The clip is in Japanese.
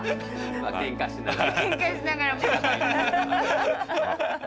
けんかしながら。